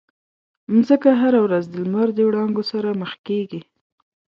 مځکه هره ورځ د لمر د وړانګو سره مخ کېږي.